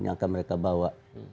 yang akan mereka bawa